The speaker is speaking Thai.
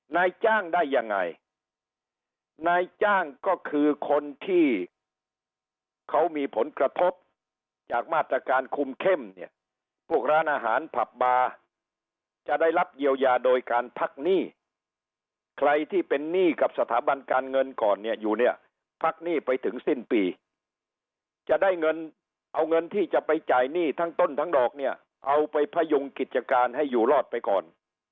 นายจ้างได้ยังไงนายจ้างก็คือคนที่เขามีผลกระทบจากมาตรการคุมเข้มเนี่ยพวกร้านอาหารผับบาร์จะได้รับเยียวยาโดยการพักหนี้ใครที่เป็นหนี้กับสถาบันการเงินก่อนเนี่ยอยู่เนี่ยพักหนี้ไปถึงสิ้นปีจะได้เงินเอาเงินที่จะไปจ่ายหนี้ทั้งต้นทั้งดอกเนี่ยเอาไปพยุงกิจการให้อยู่รอดไปก่อน